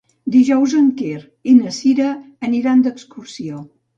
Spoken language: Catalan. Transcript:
Dijous en Quer i na Cira aniran d'excursió.